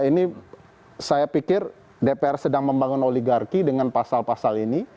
ini saya pikir dpr sedang membangun oligarki dengan pasal pasal ini